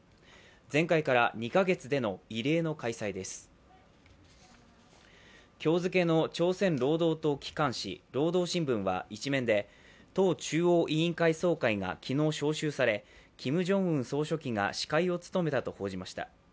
前回から２か月での異例の開催です今日付の朝鮮労働党機関誌「労働新聞」は１面で党中央委員会総会が昨日、招集されキム・ジョンウン総書記が司会を務めたと報じました。